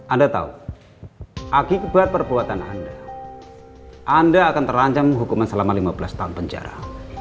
anda tahu akibat perbuatan anda anda akan terancam hukuman selama lima belas tahun penjara